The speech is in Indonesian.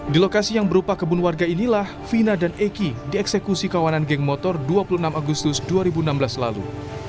di lokasi yang berupa kebun warga inilah vina dan eki dieksekusi kawanan geng motor dua puluh enam agustus dua ribu enam belas lalu